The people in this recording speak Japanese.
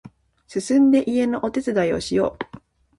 すすんで家のお手伝いをしよう